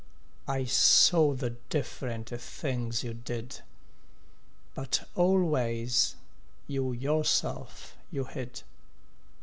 I saw the different things you did, But always you yourself you hid.